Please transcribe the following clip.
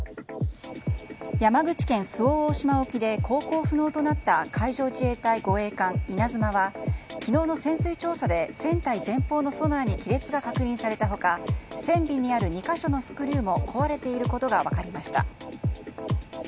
山口県周防大島沖で航行不能となった海上自衛隊護衛艦「いなづま」は昨日の潜水調査で船体前方のソナーに亀裂が確認された他船尾にある２か所のスクリューも壊れていることが分かりました。